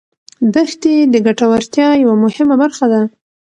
دښتې د ګټورتیا یوه مهمه برخه ده.